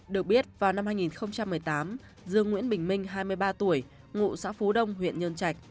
được biết vào năm hai nghìn một mươi tám dương nguyễn bình minh hai mươi ba tuổi ngụ xã phú đông huyện nhân trạch